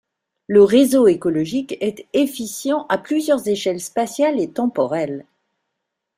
Le réseau écologique est efficient à plusieurs échelles spatiales et temporelles.